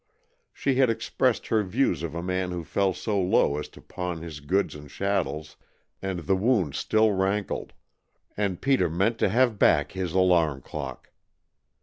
She had expressed her views of a man who fell so low as to pawn his goods and chattels, and the wound still rankled, and Peter meant to have back his alarm clock.